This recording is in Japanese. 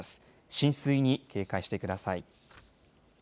浸水に警戒してください。